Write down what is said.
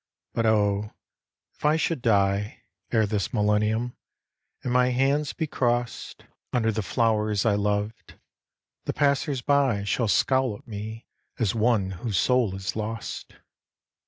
But O, if I should die Ere this millennium, and my hands be crossed THE VISITATION OF PEACE 79 Under the flowers I loved, the passers by Shall scowl at me as one whose soul is lost.